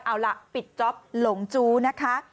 เอาล่ะปิดจ๊อปหลงจู้นะคะ